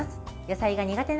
野菜が苦手